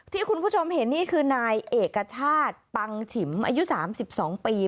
ที่คุณผู้ชมเห็นนี่คือนายเอกชาติปังฉิมอายุ๓๒ปี